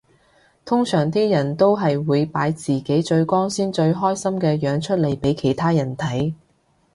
通常啲人都係會擺自己最光鮮最開心嘅樣出嚟俾其他人睇